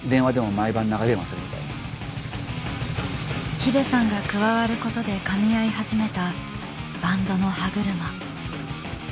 ＨＩＤＥさんが加わることでかみ合い始めたバンドの歯車。